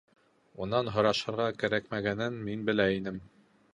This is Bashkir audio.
Унан һорашырға кәрәкмәгәнен мин белә инем.